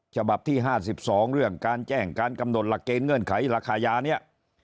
ฉบับที่๕๒เรื่องการแจ้งการกำหนดหลักเกณฑ์เงื่อนไขราคายาเนี่ย